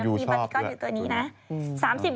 มีบาร์บีกอนอยู่ตรงนี้นะ